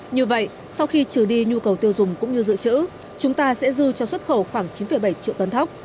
như vậy sau khi trừ đi nhu cầu tiêu dùng cũng như dự trữ chúng ta sẽ dư cho xuất khẩu khoảng chín bảy triệu tấn thóc